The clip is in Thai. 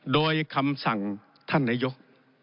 โดยคำสั่งท่านนายก